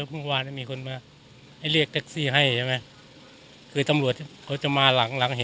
พูดว่าเนี้ยมีคนมาให้เรียกเทคซีให้ใช่ไหมคือตำรวจเขาจะมาหลังหลัง